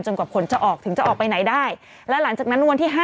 จนกว่าผลจะออกถึงจะออกไปไหนได้